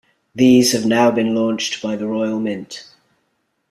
These have now been launched by the Royal Mint.